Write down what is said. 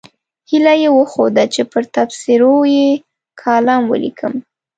هیله یې وښوده چې پر تبصرو یې کالم ولیکم.